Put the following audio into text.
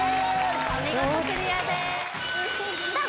お見事クリアですさあ